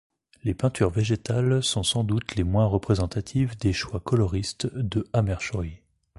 Les peintures végétales sont sans doute les moins représentatives des choix coloristes de Hammershøi.